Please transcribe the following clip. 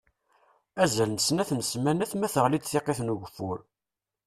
Azal n snat n ssamanat ma teɣli-d tiqqit n ugeffur.